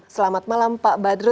selamat malam pak badrut